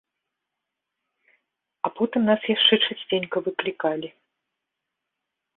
А потым нас яшчэ часценька выклікалі.